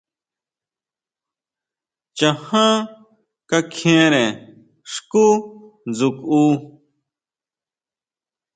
Chaján kakjiénre xkú dsjukʼu.